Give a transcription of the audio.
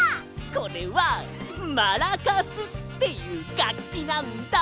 これはマラカスっていうがっきなんだ！